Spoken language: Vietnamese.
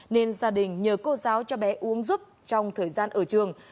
nên gia đình nhờ cô giáo cho bé uống giúp trong thời gian ở trường